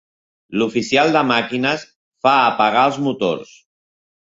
L'oficial de màquines fa apagar els motors.